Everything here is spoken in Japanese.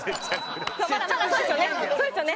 まだそうですよね。